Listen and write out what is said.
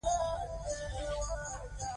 هغوی په نړۍ کې د افغانستان نوم روښانه کوي.